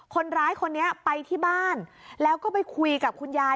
คนร้ายคนนี้ไปที่บ้านแล้วก็ไปคุยกับคุณยาย